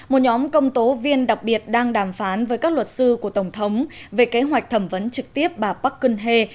một nhóm công tố viên đặc biệt đang đàm phán với các luật sư của tổng thống về kế hoạch thẩm vấn trực tiếp bà park geun hye